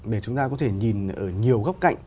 để chúng ta có thể nhìn ở nhiều góc cạnh